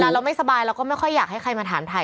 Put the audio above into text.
เราไม่สบายเราก็ไม่ค่อยอยากให้ใครมาถามถ่าย